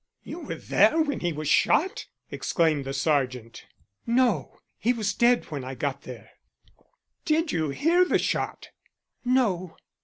"You were there when he was shot?" exclaimed the sergeant. "No; he was dead when I got there." "Did you hear the shot?" "No."